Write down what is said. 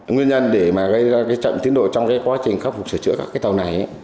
nguyên nhân để mà gây ra cái chậm tiến độ trong cái quá trình khắc phục sửa chữa các cái tàu này